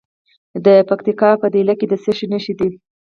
د پکتیکا په دیله کې د څه شي نښې دي؟